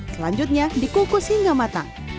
selanjutnya dikukus hingga matang